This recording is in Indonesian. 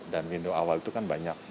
dan window awal itu kan banyak